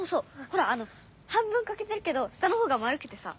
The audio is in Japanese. ほら半分かけてるけど下のほうが丸くてさ。